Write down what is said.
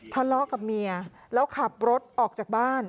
ทะเลาะกับเมียแล้วขับรถออกจากบ้าน